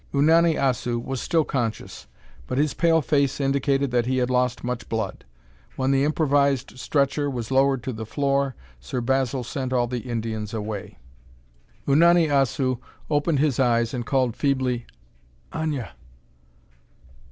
Unani Assu was still conscious, but his pale face indicated that he had lost much blood. When the improvised stretcher was lowered to the floor, Sir Basil sent all the Indians away. Unani Assu opened his eyes and called feebly, "Aña!"